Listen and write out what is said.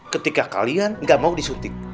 ketika kalian gak mau disuntik